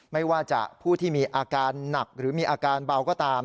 ไม่ว่าจะผู้ที่มีอาการหนักหรือมีอาการเบาก็ตาม